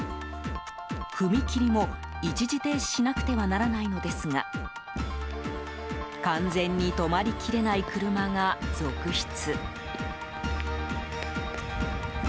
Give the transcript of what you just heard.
踏切も一時停止しなくてはならないのですが完全に止まりきれない車が続出。